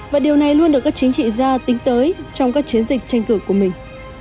và điều này luôn được các chính trị gia tính tới trong các chiến dịch tranh cử của mình